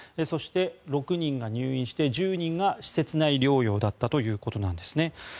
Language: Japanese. そして６人が入院して１０人が施設内療養だったということです。